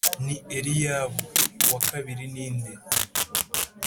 Ni eliyabu uwa kabiri ninde